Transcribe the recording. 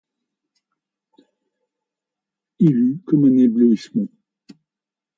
Il eut comme un éblouissement.